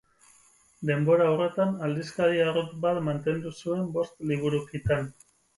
Denbora horretan, aldizkari arrunt bat mantendu zuen bost liburukitan.